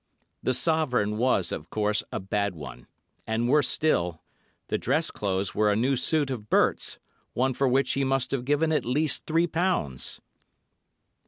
The sovereign was of course a bad one, and, worse still, the dress clothes were a new suit of Bert's, one for which he must have given at least three pounds.